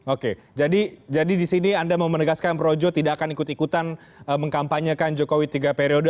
oke jadi di sini anda mau menegaskan projo tidak akan ikut ikutan mengkampanyekan jokowi tiga periode